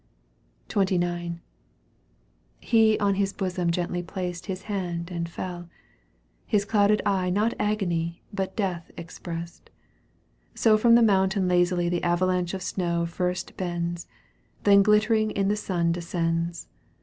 XXIX. He on his bosom gently placed His hand, and felL BKs clouded eye Not agony, but death expressed. So from the mountain lazily The avalanche of snow first bends, Then glittering in the sun descends.